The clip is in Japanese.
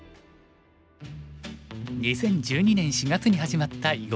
２０１２年４月に始まった「囲碁フォーカス」。